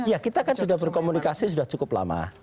ya kita kan sudah berkomunikasi sudah cukup lama